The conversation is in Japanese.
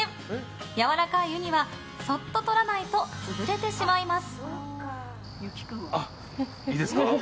やわらかいウニはそっととらないと潰れてしまいます。